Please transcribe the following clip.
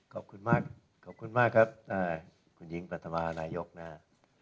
ขอบคุณมากขอบคุณมากครับอ่าคุณหญิงปัฒนมาธนายกนะฮะ